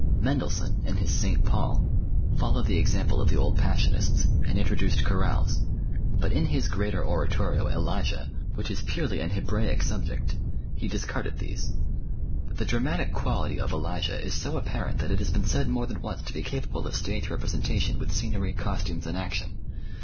Mendelssohn, in his "St. Paul," followed the example of the old passionists, and introduced chorales, but in his greater oratorio, "Elijah," which is purely an Hebraic subject, he discarded these. The dramatic quality of "Elijah" is so apparent that it has been said more than once to be capable of stage representation with scenery, costumes and action.